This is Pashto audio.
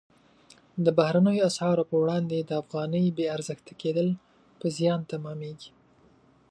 د بهرنیو اسعارو پر وړاندې د افغانۍ بې ارزښته کېدل په زیان تمامیږي.